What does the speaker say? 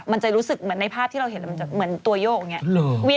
มันจะรู้สึกนะในภาพที่เราเห็นมันจะเหมือนตัวยกเงี้ย